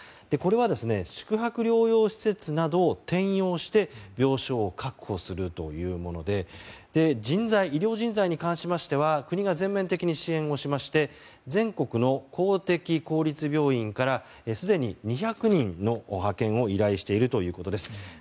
これは、宿泊療養施設などを転用して病床を確保するというもので医療人材に関しましては国が全面的に支援をしまして全国の公的公立病院からすでに２００人の派遣を依頼しているということです。